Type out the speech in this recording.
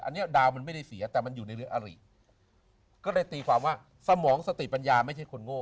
อันนี้ดาวมันไม่ได้เสียแต่มันอยู่ในเรืออาริก็เลยตีความว่าสมองสติปัญญาไม่ใช่คนโง่